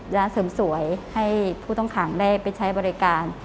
ร้านเสริมสวยให้ผู้ต้องขังได้ไปใช้บริการ